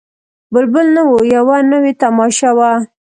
بلبل نه وو یوه نوې تماشه وه